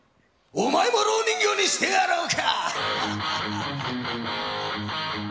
お前もろう人形にしてやろうか。